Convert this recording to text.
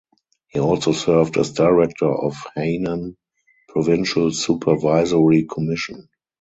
He also served as director of Hainan Provincial Supervisory Commission.